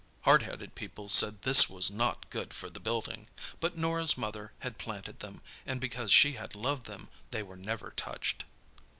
Hard headed people said this was not good for the building—but Norah's mother had planted them, and because she had loved them they were never touched.